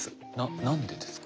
何でですか？